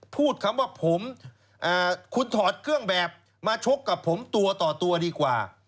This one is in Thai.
พูดคำว่าผมคุณถอดเครื่องแบบมาชกกับผมตัวต่อตัวดีกว่า